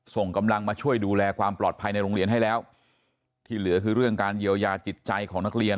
ส่งกำลังมาช่วยดูแลความปลอดภัยในโรงเรียนให้แล้วที่เหลือคือเรื่องการเยียวยาจิตใจของนักเรียน